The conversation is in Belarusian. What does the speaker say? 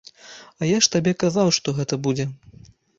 А я ж табе казаў, што гэта будзе.